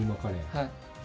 はい。